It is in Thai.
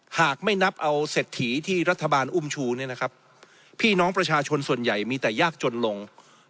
หากไม่นับเอาเศรษฐีที่รัฐบาลอุ้มชูเนี่ยนะครับพี่น้องประชาชนส่วนใหญ่มีแต่ยากจนลง